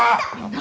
何？